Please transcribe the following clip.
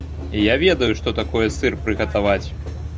Я ведаю, што такое сыр прыгатаваць.